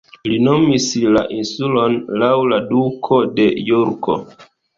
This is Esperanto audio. Li nomis la insulon laŭ la Duko de Jorko.